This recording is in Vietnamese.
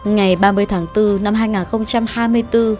ngày ba mươi tháng bốn năm hai nghìn hai mươi bốn